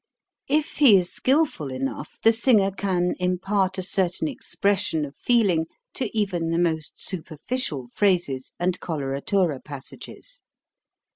If he is skilful enough, the singer can im part a certain expression of feeling to even the ITALIAN AND GERMAN 229 most superficial phrases and coloratura pas sages.